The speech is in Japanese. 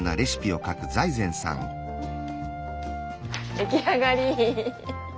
出来上がり！